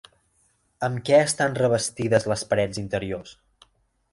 Amb què estan revestides les parets interiors?